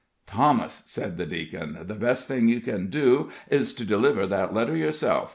"Thomas," said the deacon, "the best thing you can do is to deliver that letter yourself.